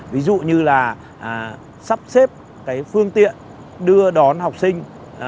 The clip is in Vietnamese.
ví dụ như là sắp xếp cái phương tiện đưa đón học sinh